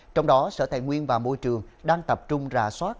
trong đó sở tài nguyên và môi trường đang tập trung rà soát